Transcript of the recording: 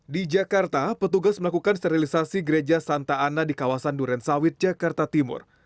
di jakarta petugas melakukan sterilisasi gereja santa ana di kawasan durensawit jakarta timur